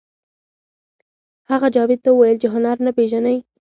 هغه جاوید ته وویل چې هنر نه پېژنئ